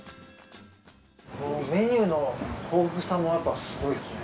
メニューの豊富さもやっぱすごいですね。